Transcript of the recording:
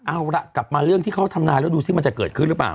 เอาล่ะกลับมาเรื่องที่เขาทำนายแล้วดูสิมันจะเกิดขึ้นหรือเปล่า